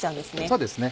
そうですね